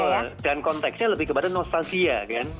iya dan konteksnya lebih kepada nostalgia kan